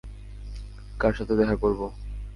কার সাথে দেখা করবো?